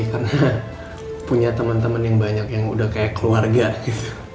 karena punya temen temen yang banyak yang udah kayak keluarga gitu